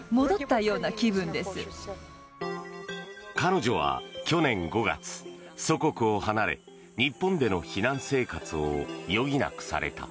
彼女は去年５月、祖国を離れ日本での避難生活を余儀なくされた。